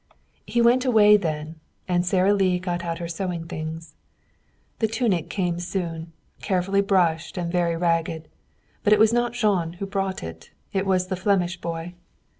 He went away then, and Sara Lee got out her sewing things. The tunic came soon, carefully brushed and very ragged. But it was not Jean who brought it; it was the Flemish boy.